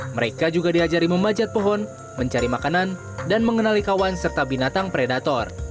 mereka juga diajari memanjat pohon mencari makanan dan mengenali kawan serta binatang predator